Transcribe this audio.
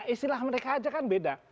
istilah mereka aja kan beda